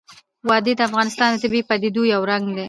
وادي د افغانستان د طبیعي پدیدو یو رنګ دی.